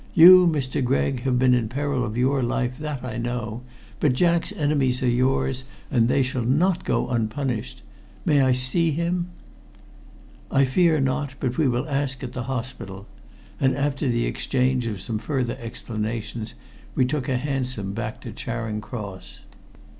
You, Mr. Gregg, have been in peril of your life, that I know, but Jack's enemies are yours, and they shall not go unpunished. May I see him?" "I fear not, but we will ask at the hospital." And after the exchange of some further explanations, we took a hansom back to Charing Cross.